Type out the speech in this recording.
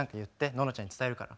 ののちゃんに伝えるから。